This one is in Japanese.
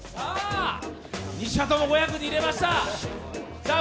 ２射とも５００に入れました。